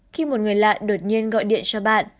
khi một người lạ đột nhiên gọi điện cho bạn